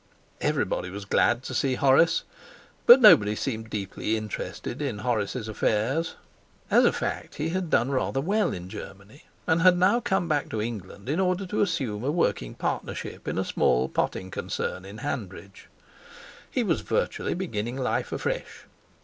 Everybody was glad to see Horace, but nobody seemed deeply interested in Horace's affairs. As a fact he had done rather well in Germany, and had now come back to England in order to assume a working partnership in a small potting concern at Hanbridge. He was virtually beginning life afresh.